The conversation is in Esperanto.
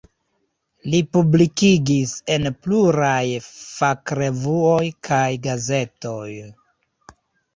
Li publikigis en pluraj fakrevuoj kaj gazetoj.